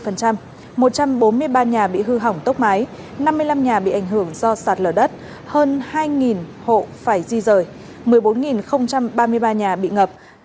một trăm bốn mươi ba nhà bị hư hỏng tốc mái năm mươi năm nhà bị ảnh hưởng do sạt lở đất hơn hai hộ phải di rời một mươi bốn ba mươi ba nhà bị ngập